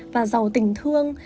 và giàu tình thương